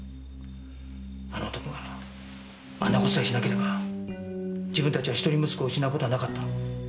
あの男があんな事さえしなければ自分たちは一人息子を失う事はなかった。